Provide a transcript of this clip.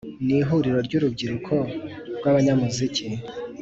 ni ihuriro ry’ urubyiruko rw’abanyamuziki,